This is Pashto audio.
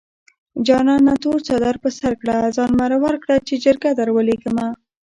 جانانه تور څادر په سر کړه ځان مرور کړه چې جرګه دروليږمه